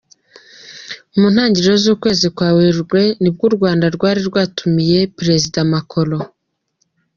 Mu ntangiriro z’ukwezi kwa Werurwe ni bwo u Rwanda rwari rwatumiye perezida Macron.